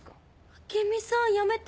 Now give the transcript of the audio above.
明美さんやめて。